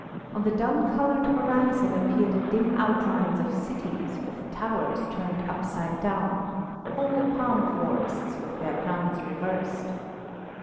On the dun coloured horizon appear the dim outlines of cities with towers turned upside down, whole palm forests with their crowns reversed.